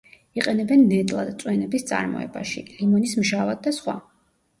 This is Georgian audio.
იყენებენ ნედლად, წვენების წარმოებაში, ლიმონის მჟავად და სხვა.